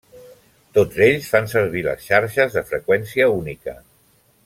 Tots ells fan servir les xarxes de freqüència única.